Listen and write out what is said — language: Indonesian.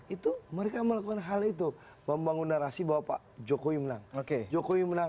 itu mereka melakukan hal itu membangun narasi bahwa pak jokowi menang jokowi menang